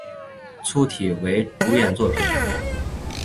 粗体字为主演作品